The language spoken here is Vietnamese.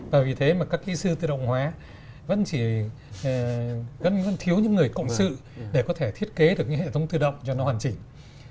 và vì thế mà các kỹ sư tự động hóa vẫn chỉ gần như vẫn thiếu những người cộng sự để có thể thiết kế được những hệ thống tự động cho nó hoàn chỉnh